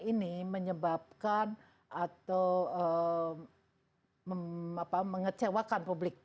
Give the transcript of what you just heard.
ini menyebabkan atau mengecewakan publik